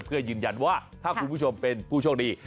เพื่อยืนยันว่าถ้าคุณผู้ชมเป็นผู้โชคดี